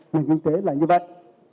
nghĩa kinh tế là như vậy